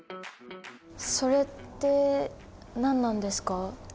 それって何なんですか？